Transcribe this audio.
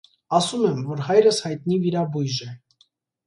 Ասում եմ, որ հայրս հայտնի վիրաբույժ է։